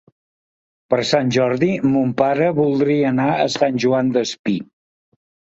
Per Sant Jordi mon pare voldria anar a Sant Joan Despí.